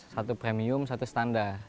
satu premium satu standar